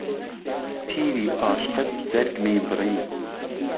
تیری ئاشقت جهرگمی بڕی